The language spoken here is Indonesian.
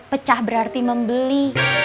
pecah berarti membeli